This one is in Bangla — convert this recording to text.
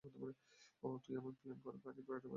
ওহ, তুই আমার প্ল্যান করা পার্টির বারোটা বাজানোর কথা বলছিস?